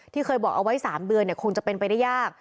ที่เคยบอกเอาไว้๓เดือนคงจะเป็นไปได้ยาก